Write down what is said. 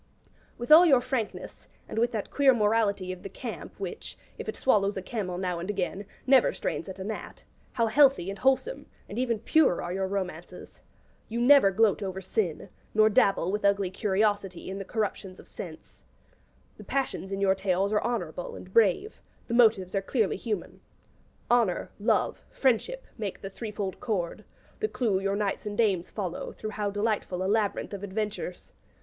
With all your frankness, and with that queer morality of the Camp which, if it swallows a camel now and again, never strains at a gnat, how healthy and wholesome, and even pure, are your romances! You never gloat over sin, nor dabble with an ugly curiosity in the corruptions of sense. The passions in your tales are honourable and brave, the motives are clearly human. Honour, Love, Friendship make the threefold cord, the clue your knights and dames follow through how delightful a labyrinth of adventures!